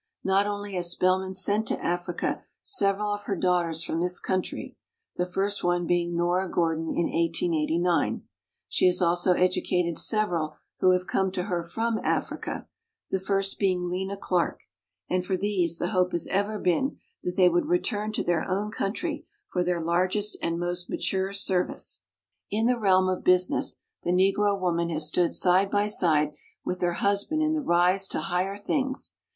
Not only has Spelman sent to Africa several of her daughters from this country, the first one being Nora Gor don in 1889; she has also educated several who have come to her from Africa, the first being Lena Clark, and for these the hope has ever been that they would return to their own country for their largest and most mature service. 14 In the realm of business the Negro woman has stood side by side with her husband in the rise to higher things.